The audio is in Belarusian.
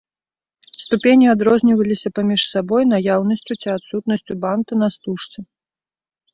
Ступені адрозніваліся паміж сабой наяўнасцю ці адсутнасцю банта на стужцы.